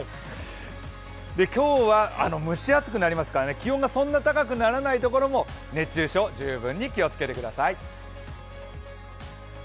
今日は蒸し暑くなりますから気温がそんな高くならないところも熱中症、十分に気をつけてください。